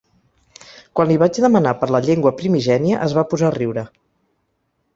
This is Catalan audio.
Quan li vaig demanar per la llengua primigènia es va posar a riure.